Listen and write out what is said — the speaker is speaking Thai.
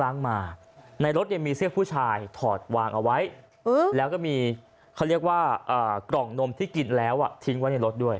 มาในรถเนี่ยมีเสื้อผู้ชายถอดวางเอาไว้แล้วก็มีเขาเรียกว่ากล่องนมที่กินแล้วทิ้งไว้ในรถด้วย